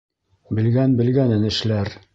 Белгән белгәнен эшләр